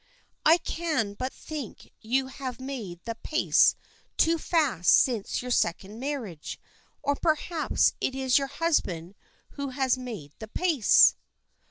I can but think you have made the pace too fast since your second marriage, or perhaps it is your husband who has made the pace."